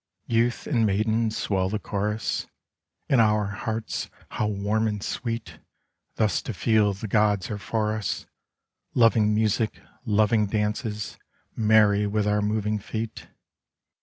Youth and maiden, swell the chorus 1 In our hearts how warm and sweet Thus to feel the gods are for us. Loving music, loving dances. Merry with our moving feet